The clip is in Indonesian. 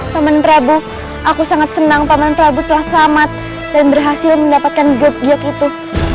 paman pradu aku sangat senang paman pradu telah selamat dan berhasil mendapatkan giyok giyok itu